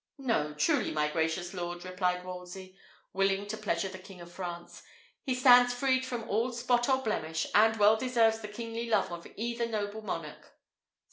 "No, truly, my gracious lord," replied Wolsey, willing to pleasure the King of France. "He stands freed from all spot or blemish, and well deserves the kingly love of either noble monarch."